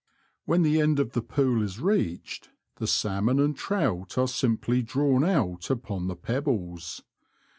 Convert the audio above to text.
When the end of the pool is reached the salmon and trout are simply drawn out upon the pebbles.